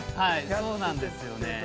◆そうなんですよね。